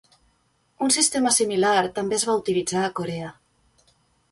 Un sistema similar també es va utilitzar a Corea.